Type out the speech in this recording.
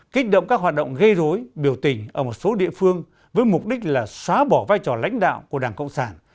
kích động các hoạt động gây rối biểu tình ở một số địa phương với mục đích là xóa bỏ vai trò lãnh đạo của đảng cộng sản